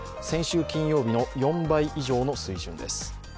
先週金曜日の４倍以上の水準です。